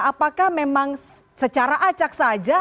apakah memang secara acak saja